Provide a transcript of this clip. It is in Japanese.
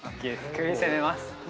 首攻めます。